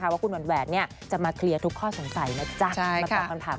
ว่าคุณแหวนจะมาเคลียร์ทุกข้อสงสัยนะจ๊ะมาตอบคำถาม